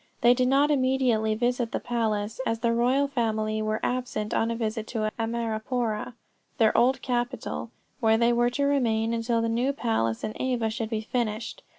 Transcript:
They did not immediately visit the palace, as the royal family were absent on a visit at Amarapoora, their old capital, where they were to remain until the new palace in Ava should be finished.